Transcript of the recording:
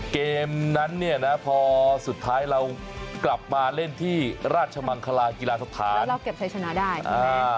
เกมนั้นเนี่ยนะพอสุดท้ายเรากลับมาเล่นที่ราชมังคลากีฬาสถานแล้วเราเก็บชัยชนะได้อ่า